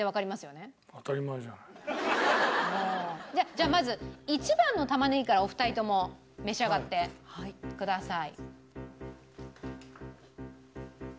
じゃあまず１番の玉ねぎからお二人とも召し上がってください。